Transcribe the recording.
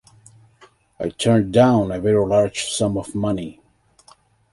I turned down a very large sum of money.